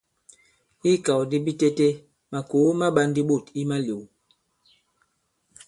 I ikàw di bitete makòo ma ɓā ndī ɓôt i malēw.